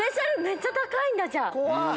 めっちゃ高いんだじゃあ。